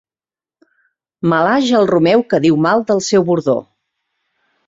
Malhaja el romeu que diu mal del seu bordó.